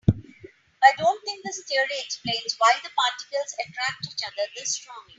I don't think this theory explains why the particles attract each other this strongly.